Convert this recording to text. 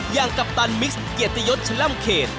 อย่างกัปตันมิคส์เกียรติยศ